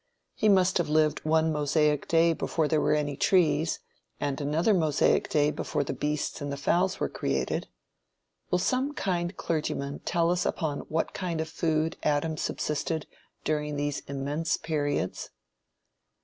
He must have lived one Mosaic day before there were any trees, and another Mosaic day before the beasts and fowls were created. Will some kind clergymen tell us upon what kind of food Adam subsisted during these immense periods?